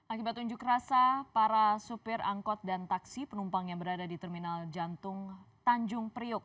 akibat unjuk rasa para supir angkot dan taksi penumpang yang berada di terminal jantung tanjung priuk